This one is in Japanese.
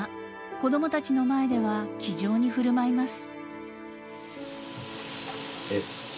子供たちの前では気丈に振る舞います］